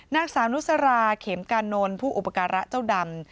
นางสาวนุสราเขมกานนท์ผู้อุปการะเจ้าดำ